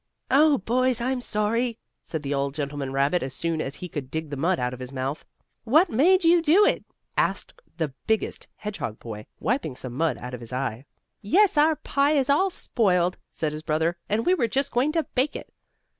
"Oh, boys, I'm sorry!" said the old gentleman rabbit as soon as he could dig the mud out of his mouth. "What made you do it?" asked the biggest hedgehog boy, wiping some mud out of his eye. "Yes, our pie is all spoiled," said his brother, "and we were just going to bake it."